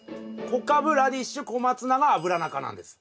小カブラディッシュコマツナがアブラナ科なんです。